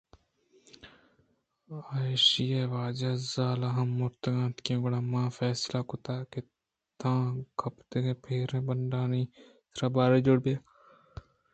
ایشی ءِ واجہ ءِ زال ہم مرتگ اَت گڑا من فیصلہ کُت کہ تاں کدپت ءِ پیریں ہڈّانی سرا بار جوڑ بہ باں